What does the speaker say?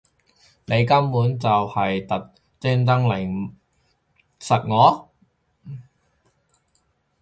你根本就係專登嚟????實我